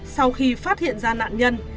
sau khi phát hiện ra nạn nhân